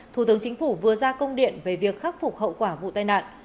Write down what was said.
thủ tướng chính phủ vừa ra công điện về việc khắc phục hậu quả vụ tai nạn